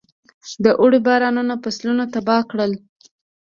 د اوړي بارانونو فصلونه تباه کړل.